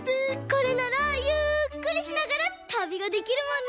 これならゆっくりしながらたびができるもんね！